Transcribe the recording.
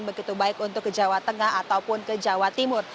begitu baik untuk ke jawa tengah ataupun ke jawa timur